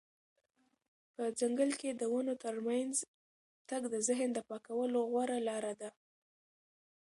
په ځنګل کې د ونو ترمنځ تګ د ذهن د پاکولو غوره لاره ده.